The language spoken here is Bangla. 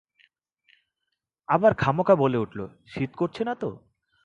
আবার খামকা বলে উঠল, শীত করছে না তো?